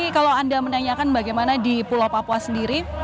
kalau anda menanyakan bagaimana di pulau papua sendiri